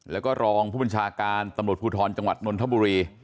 แล้วก็รองผู้บัญชาการตำรวจภูทรจังหวัดนนทบุรี